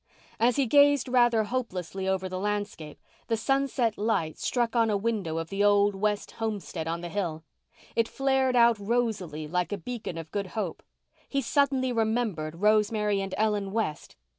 As he gazed rather hopelessly over the landscape the sunset light struck on a window of the old West homestead on the hill. It flared out rosily like a beacon of good hope. He suddenly remembered Rosemary and Ellen West.